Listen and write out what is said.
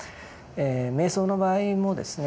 瞑想の場合もですね